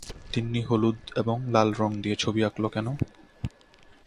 তিন্নি হলুদ এবং লাল রঙ দিয়ে ছবি আঁকল কেন?